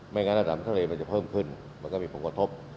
ไม่งั้นระดับข้าวเมืองทะเลจะเพิ่มขึ้นมันก็มีผลกฎพ